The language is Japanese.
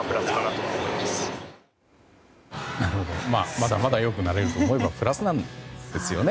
まだまだ良くなれると思えばプラスなんですよね。